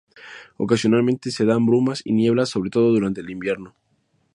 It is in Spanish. Ocasionalmente se dan brumas y nieblas, sobre todo durante el invierno.